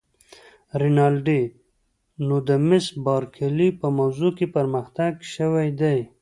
رینالډي: نو د مس بارکلي په موضوع کې پرمختګ شوی دی؟